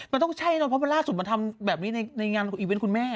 มันต้องใช่ก็เพราะว่าร่าสุดมันทำแบบนี้ในงานเอีเวนต์คุณแม่